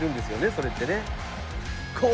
それってね。